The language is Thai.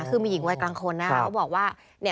คือมีหญิงวัยกลางคนนะคะเขาบอกว่า